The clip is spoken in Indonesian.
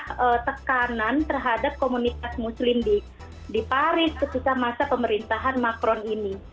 ada tekanan terhadap komunitas muslim di paris ketika masa pemerintahan macron ini